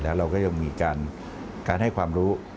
เราก็ยังมีการให้ความรู้